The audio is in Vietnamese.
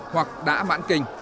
hoặc đã mãn kinh